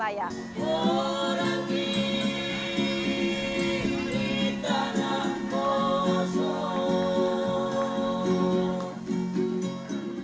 orang kiri tanah kosong